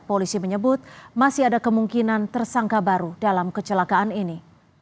polisi menyebut masih ada kemungkinan tersangka baru dalam kecelakaan ini